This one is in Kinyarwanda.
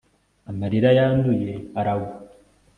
amarira yanduye aragwa